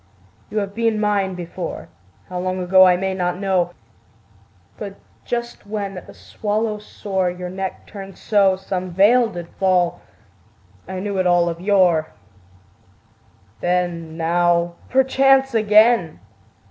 You have been mine before, How long ago I may not know: But just when at the swallow's soar Your neck turned so, Some veil did fall I knew it all of yore. Then, now, perchance again!...